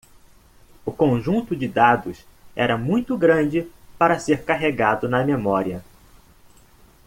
O conjunto de dados era muito grande para ser carregado na memória.